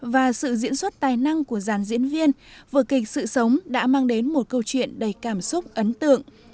và sự diễn xuất tài năng của giàn diễn viên vỡ kịch sự sống đã mang đến một câu chuyện đầy cảm xúc ấn tượng